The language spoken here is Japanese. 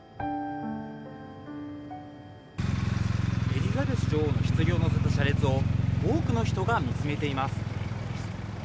エリザベス女王のひつぎを乗せた車両を多くの人が見つめています。